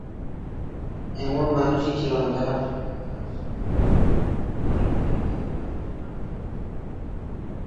এমন মানুষই ছিল না যাহার সঙ্গে তাঁহার স্বামী হারানো উইল লইয়া আলোচনা না করিতেন।